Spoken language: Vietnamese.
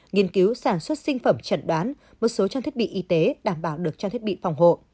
nghiên cứu sản xuất sinh phẩm chẩn đoán một số trang thiết bị y tế đảm bảo được trang thiết bị phòng hộ